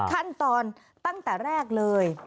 ขั้นตอนตั้งแต่แรกเลย